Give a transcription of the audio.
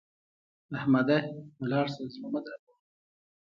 احمده! ولاړ شه؛ زړه مه دربوه.